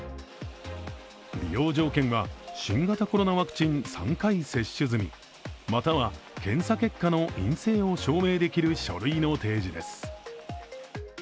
利用条件は、新型コロナワクチン３回接種済みまたは、検査結果の陰性を証明できる書類の提示です。